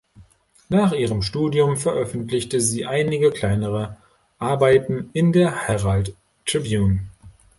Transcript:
Nach ihrem Studium veröffentlichte sie einige kleinere Arbeiten in der "Herald Tribune".